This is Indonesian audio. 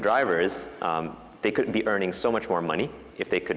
dan perusahaan kami melihat manusia yang bisa melakukan banyak hal